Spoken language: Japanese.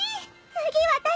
次私！